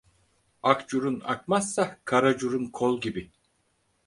Ak curun akmazsa kara curun kol gibi.